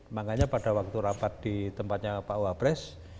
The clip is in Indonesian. makanya pada waktu rapat di tempatnya pak wapres